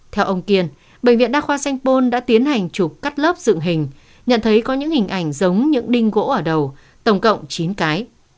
theo ông kiên bệnh viện đa khoa sanh pôn đã tiến hành chụp cắt lớp dựng hình nhận thấy có những hình ảnh giống những đinh gỗ ở đầu tổng cộng chín cái